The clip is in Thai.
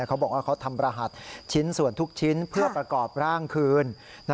เขาบอกว่าเขาทำรหัสชิ้นส่วนทุกชิ้นเพื่อประกอบร่างคืน